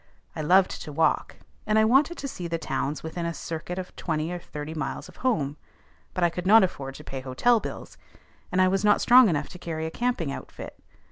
I loved to walk, and I wanted to see the towns within a circuit of twenty or thirty miles of home; but I could not afford to pay hotel bills, and I was not strong enough to carry a camping outfit.